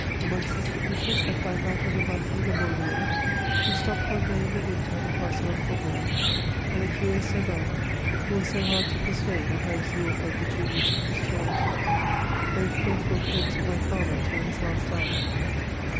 Amongst the signatures, I find that of the Marquis de Monlouet, who stopped one day in the winter at the Castle of Combourg, and the Cur^ S^vin, who was so hard to persuade that I was the author of the Genius of Christianity, both faithful friends of my father till his last hour.